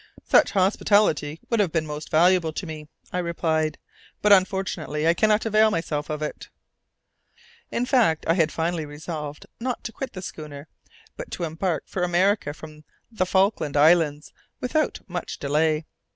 "Such hospitality would have been most valuable to me," I replied, "but unfortunately I cannot avail myself of it." In fact, I had finally resolved not to quit the schooner, but to embark for America from the Falkland Isles without much delay.